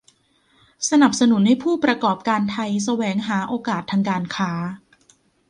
สนับสนุนให้ผู้ประกอบการไทยแสวงหาโอกาสทางการค้า